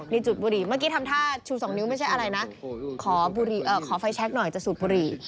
นี่จุดบุรีเมื่อกี้ทำท่าชูสองนิ้วไม่ใช่อะไรนะขอบุรีเอ่อขอไฟแชคหน่อยจะสูดบุรี